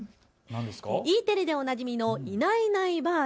Ｅテレでおなじみのいないいないばあっ！